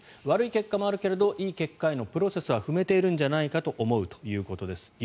悪い結果もあるけれどいい結果へのプロセスは踏めているんじゃないかということです。